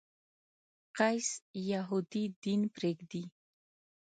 قیس یهودي دین پرېږدي.